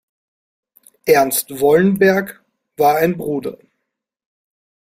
Ernst Wollenberg war ein Bruder.